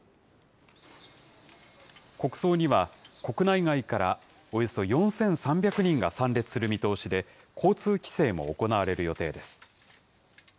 国葬には、国内外からおよそ４３００人が参列する見通しで、交通規制も行われる予定です。